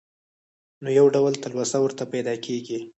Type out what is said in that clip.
نو يو ډول تلوسه ورته پېدا کيږي.